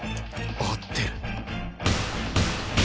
合ってる。